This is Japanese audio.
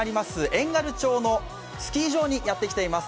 遠軽町のスキー場にやってきています